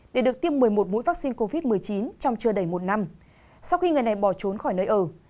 để được tiêm một mươi một mũi vaccine covid một mươi chín trong chưa đầy một năm sau khi người này bỏ trốn khỏi nơi ở